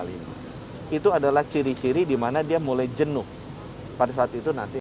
itu adalah ciri ciri dimana dia mulai jenuh pada saat itu nanti